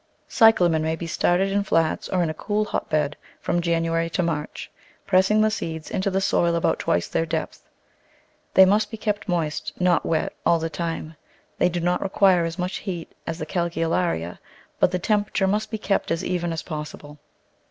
Cyclamen may be started in flats or in a cool hotbed from January to March, pressing the seed into the soil about twice their depth. They must be kept moist, not wet, all the time. They do not require as much heat as the Calceolaria, but the temperature must be kept as even as possible.